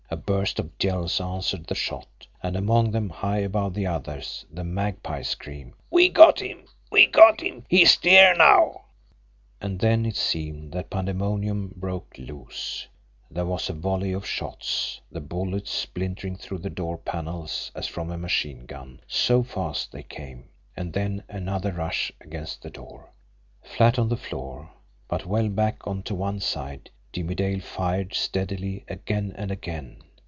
A burst of yells answered the shot; and among them, high above the others, the Magpie's scream: "We got him! We got him! He's dere now!" And then it seemed that pandemonium broke loose there was a volley of shots, the bullets splintering through the door panels as from a machine gun, so fast they came and then another rush against the door. Flat on the floor, but well back and to one side, Jimmie Dale fired steadily again and again.